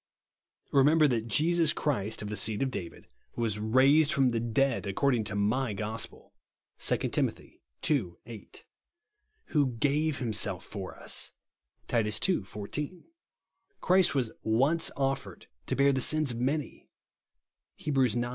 Remember that Jesus Christ, of the seed of Dsivid, was raised fro')n the dead, accord ing to my gospel," (2 Tim. ii. 8). "Who gave himself for us," (Titus ii. 14). " Christ was once offered to bear the sins of many/* (Heb. ix.